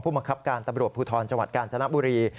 มังคับการตำรวจภูทรจังหวัดกาญจนบุรี